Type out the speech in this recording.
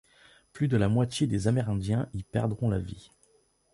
Plus de la moitié des Amérindiens y perdront la vie.